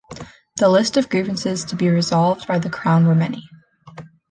The list of grievances to be resolved by the Crown were many.